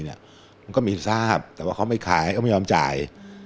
มันก็มีทราบแต่ว่าเขาไม่ขายเขาไม่ยอมจ่าย